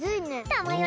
たまよ